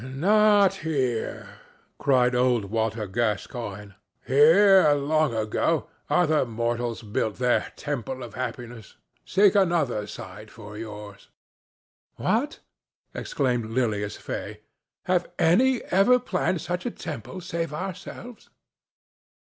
"Not here," cried old Walter Gascoigne. "Here, long ago, other mortals built their temple of happiness; seek another site for yours." "What!" exclaimed Lilias Fay. "Have any ever planned such a temple save ourselves?"